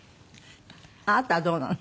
あなたはどうなの？